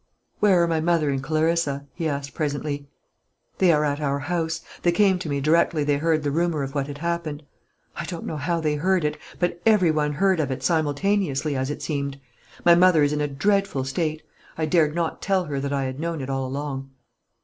"Where are my mother and Clarissa?" he asked presently. "They are at our house; they came to me directly they heard the rumour of what had happened. I don't know how they heard it; but every one heard of it, simultaneously, as it seemed. My mother is in a dreadful state. I dared not tell her that I had known it all along."